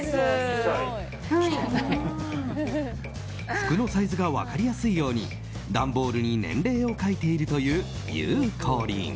服のサイズが分かりやすいように段ボールに年齢を書いているというゆうこりん。